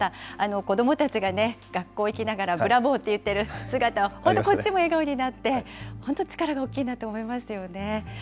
子どもたちがね、学校行きながら、ブラボーって言ってる姿、本当、こっちも笑顔になって、本当、力が大きいなと思いますよね。